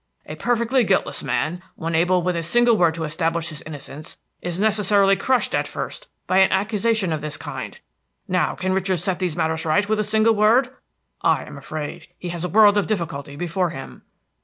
A perfectly guiltless man, one able with a single word to establish his innocence, is necessarily crushed at first by an accusation of this kind. Now, can Richard set these matters right with a single word? I am afraid he has a world of difficulty before him."